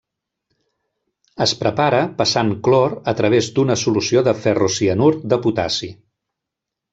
Es prepara passant clor a través d'una solució de ferrocianur de potassi.